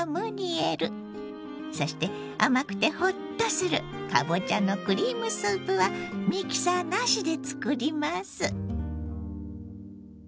そして甘くてホッとするかぼちゃのクリームスープはミキサーなしで作ります！